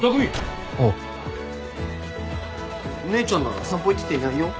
姉ちゃんなら散歩行ってていないよ。